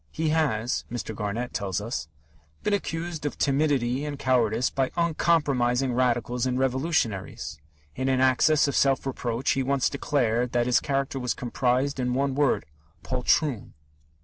"He has," Mr. Garnett tells us, "been accused of timidity and cowardice by uncompromising Radicals and Revolutionaries.... In an access of self reproach he once declared that his character was comprised in one word 'poltroon!'"